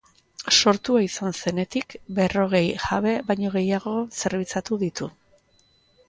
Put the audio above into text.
Sortua izan zenetik, berrogei jabe baino gehiago zerbitzatu ditu.